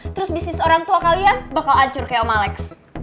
terus bisnis orang tua kalian bakal ancur kayak om malex